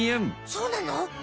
そうなの？